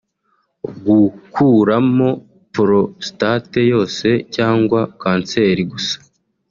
gukuramo prostate yose cyangwa kanseri gusa